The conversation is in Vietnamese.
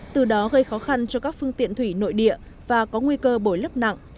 từ đó gây khó khăn cho các phương tiện thủy nội địa và có nguy cơ bồi lấp nặng